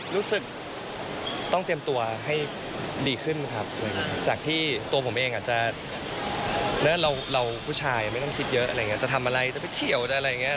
รู้สึกต้องเตรียมตัวให้ดีขึ้นจากที่ตัวผมเองไม่ต้องคิดเยอะจะทำอะไรจะไปเฉียวจะอะไรอย่างนี้